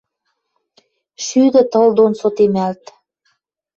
Шӱдӹ тыл дон сотемӓлт.